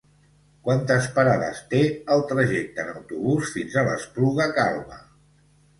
Quantes parades té el trajecte en autobús fins a l'Espluga Calba?